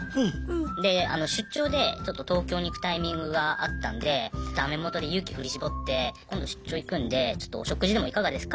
で出張でちょっと東京に行くタイミングがあったんでダメ元で勇気振り絞って今度出張行くんでちょっとお食事でもいかがですか？